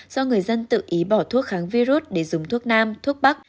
do người dân tự ý bỏ thuốc kháng virus để dùng thuốc nam thuốc bắc